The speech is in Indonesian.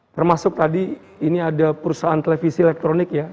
termasuk tadi ini ada perusahaan televisi elektronik ya